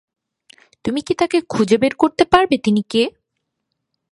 তুমি কি তাকে খুঁজে বের করতে পারবে, তিনি কে?